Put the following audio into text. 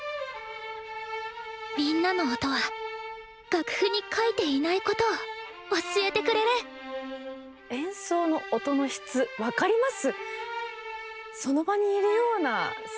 みんなの音は楽譜にかいていないことを教えてくれる演奏の音の質分かります？